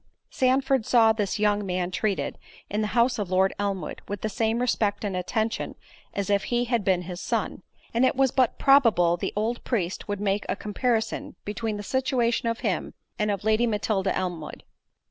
Sandford saw this young man treated, in the house of Lord Elmwood, with the same respect and attention as if he had been his son; and it was but probable the old priest would make a comparison between the situation of him, and of Lady Matilda Elmwood.